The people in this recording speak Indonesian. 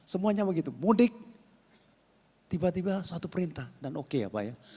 semuanya begitu mudik tiba tiba satu perintah dan oke ya pak ya